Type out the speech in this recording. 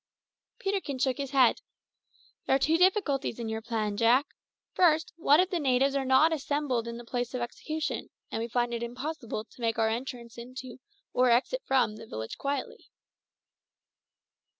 Peterkin shook his head. "There are two difficulties in your plan, Jack. First, what if the natives are not assembled on the place of execution, and we find it impossible to make our entrance into or exit from the village quietly?"